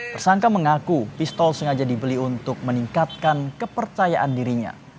tersangka mengaku pistol sengaja dibeli untuk meningkatkan kepercayaan dirinya